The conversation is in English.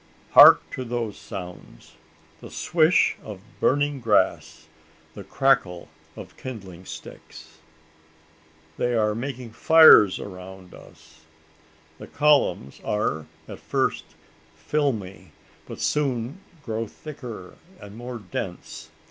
Hark to those sounds! the "swish" of burning grass the crackle of kindling sticks? They are making fires around us! The columns are at first filmy, but soon grow thicker and more dense.